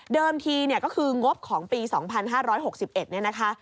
ทีเนี่ยก็คืองบของปี๒๕๖๑เนี่ยนะคะ